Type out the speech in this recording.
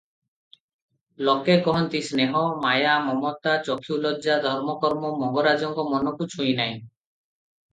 ଲୋକେ କହନ୍ତି ସ୍ନେହ, ମାୟା, ମମତା, ଚକ୍ଷୁଲଜ୍ଜା, ଧର୍ମକର୍ମ ମଙ୍ଗରାଜଙ୍କ ମନକୁ ଛୁଇଁନାହିଁ ।